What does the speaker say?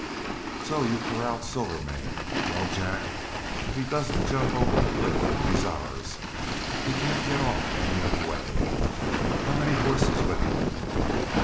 "So you've corralled Silvermane? Well, Jack, if he doesn't jump over the cliff he's ours. He can't get off any other way. How many horses with him?"